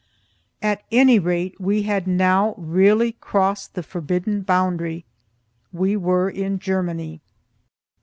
At any rate, we had now really crossed the forbidden boundary we were in Germany.